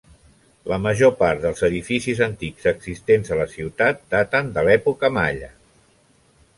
La major part dels edificis antics existents a la ciutat daten de l'època Malla.